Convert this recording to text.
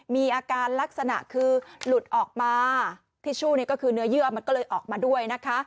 มีอาการลักษณะคือหลุดออกมาทิชชู่ก็คือเนื้อเยื่อมันก็เลยออกมาด้วยนะคะ